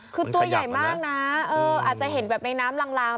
คือตัวใหญ่มากนะอาจจะเห็นแบบในน้ำลาง